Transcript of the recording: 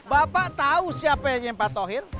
bapak tau siapanya pak tohir